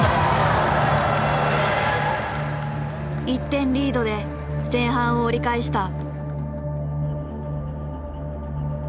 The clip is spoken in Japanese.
１点リードで前半を折り返した。